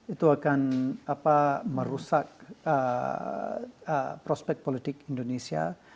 itu akan merusak prospek politik indonesia